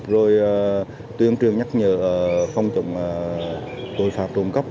rồi tuyên truyền nhắc nhở phong trọng tội phạt trồng cấp